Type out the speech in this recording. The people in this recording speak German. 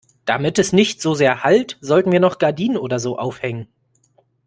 Damit es nicht so sehr hallt, sollten wir noch Gardinen oder so aufhängen.